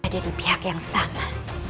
ada di pihak yang sama